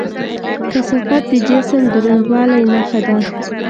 کثافت د جسم د دروندوالي نښه ده.